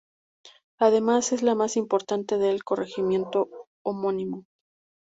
Además es la más importante del corregimiento homónimo.